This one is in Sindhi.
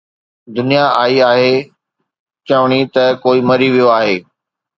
دنيا آئي آهي چوڻي ته ڪوئي مري ويو آهي